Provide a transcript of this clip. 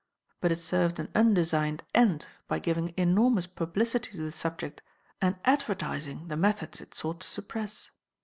But it served an undesigned end by giving enormous publicity to the subject and advertising the methods it sought to suppress.